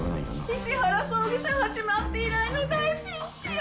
石原葬儀社始まって以来の大ピンチや！